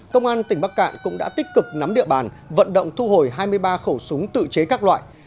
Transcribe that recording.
công an tỉnh bắc cạn cũng đã tích cực nắm địa bàn vận động thu hồi hai mươi ba khẩu súng tự chế các loại